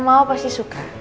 mama pasti suka